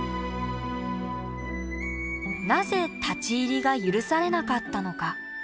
なぜ立ち入りが許されなかったのか。